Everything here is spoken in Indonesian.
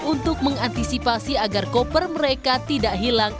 untuk mengantisipasi agar koper mereka tidak hilang